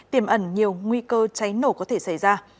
tiềm ẩn nhiều nguy cơ cháy nổ có thể xảy ra